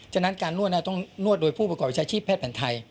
ฉะนั้นการนวดต้องนวดโดยผู้ประกอบวิชาชีพแพทย์แผนไทย